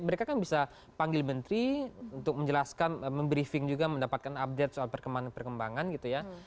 mereka kan bisa panggil menteri untuk menjelaskan memberi briefing juga mendapatkan update soal perkembangan perkembangan gitu ya